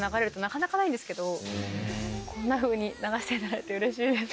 こんなふうに流していただいてうれしいです。